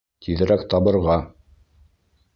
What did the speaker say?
Тиҙерәк табырға!